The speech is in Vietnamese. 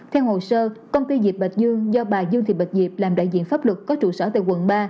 theo hồ sơ công ty dịch bạch dương do bà dương thị bạch diệp làm đại diện pháp luật có trụ sở tại quận ba